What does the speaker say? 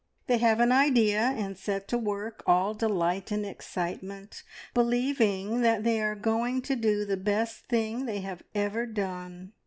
They have an idea, and set to work, all delight and excitement, believing that they are going to do the best thing they have ever done.